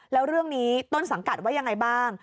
แล้วเรื่องนี้ต้นสังกัดว่ายังไงบ้าง